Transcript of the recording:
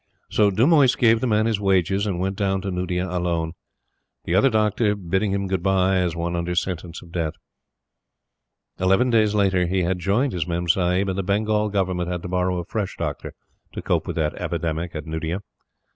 So Dumoise gave the man his wages and went down to Nuddea alone; the other Doctor bidding him good bye as one under sentence of death. Eleven days later, he had joined his Memsahib; and the Bengal Government had to borrow a fresh Doctor to cope with that epidemic at Nuddea.